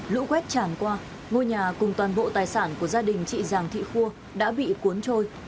lũ quét tràn qua ngôi nhà cùng toàn bộ tài sản của gia đình chị giàng thị khua đã bị cuốn trôi